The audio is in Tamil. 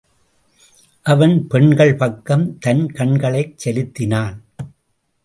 அவன் பெண்கள் பக்கம் தன் கண்களைச் செலுத்தினான்.